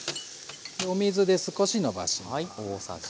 お水で少しのばします。